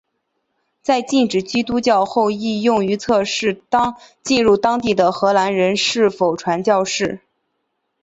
在禁止基督教后亦用于测试进入当地的荷兰人是否传教士。